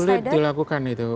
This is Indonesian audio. sulit dilakukan itu